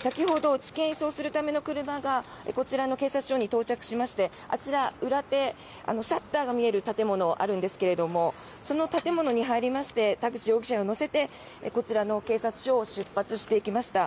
先ほど地検へ移送するための車がこちらの警察署に到着しましてあちら、裏手シャッターが見える建物があるんですがその建物に入りまして田口容疑者を乗せてこちらの警察署を出発していきました。